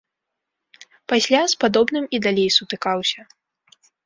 Пасля з падобным і далей сутыкаўся.